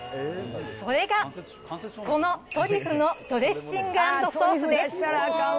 それが、このトリュフのドレッシング＆ソースです。